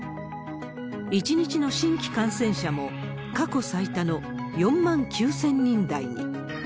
１日の新規感染者も過去最多の４万９０００人台に。